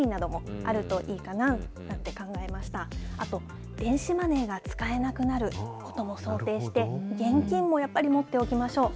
あと、電子マネーが使えなくなることも想定して、現金もやっぱり持っておきましょう。